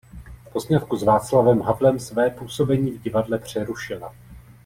Po sňatku s Václavem Havlem své působení v divadle přerušila.